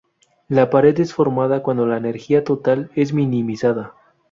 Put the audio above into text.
La pared es formada cuando la energía total es minimizada.